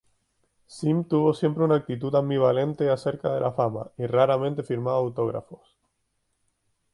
Sim tuvo siempre una actitud ambivalente acerca de la fama, y raramente firmaba autógrafos.